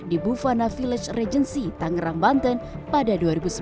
di buvana village regency tangerang banten pada dua ribu sembilan